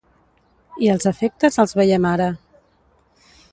I els efectes els veiem ara.